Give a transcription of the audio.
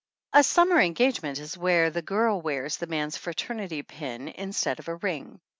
A summer engagement is where the girl wears the man's fraternity pin instead of a ring.